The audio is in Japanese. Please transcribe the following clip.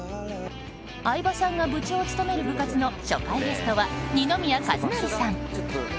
相葉さんが部長を務める部活の初回ゲストは二宮和也さん。